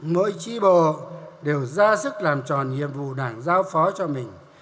mỗi tri bộ đều ra sức làm tròn nhiệm vụ đảng giao phó cho mình